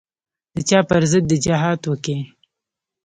د چا پر ضد دې جهاد وکي.